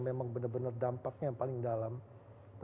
memang benar benar dampaknya final am massage